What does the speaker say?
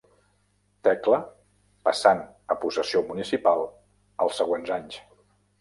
Tecla, passant a possessió municipal els següents anys.